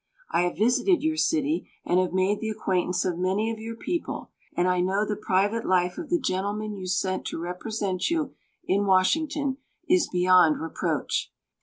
I have visited your city, and have made the acquaintance of many of your people, and I know the private life of the gentleman you sent to represent you in Washington is beyond reproach.